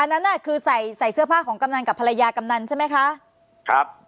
อันนั้นน่ะคือใส่ใส่เสื้อผ้าของกำนันกับภรรยากำนันใช่ไหมคะครับ